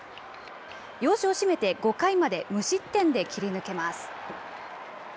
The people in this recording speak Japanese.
要所を締めて５回まで無失点で切り抜けます。